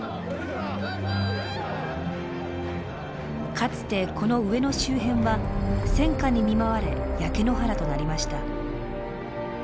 かつてこの上野周辺は戦火に見舞われ焼け野原となりました。